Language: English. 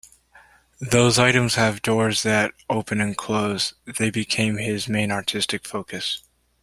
These items have doors that open and close; they became his main artistic focus.